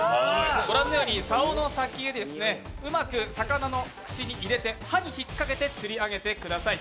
ご覧のようにさおの先へうまく魚の口に入れて歯に引っ掛けて、釣り上げてください。